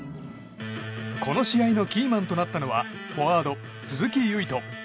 この試合のキーマンとなったのはフォワード、鈴木唯人。